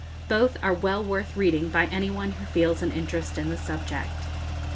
Both are well worth reading by any one who feels an interest in the subject.